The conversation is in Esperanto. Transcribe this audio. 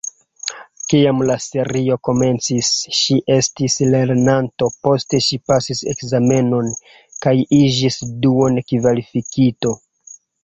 Kiam la serio komencis, ŝi estis lernanto, poste ŝi pasis ekzamenon kaj iĝis duon-kvalifikito.